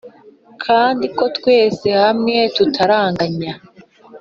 kandi ko twese hamwe tutarangaye;